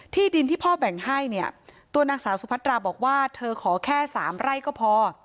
ที่ดินที่พ่อแบ่งให้เนี่ยตัวนางสาวสุพัตราบอกว่าเธอขอแค่๓ไร่ก็พอ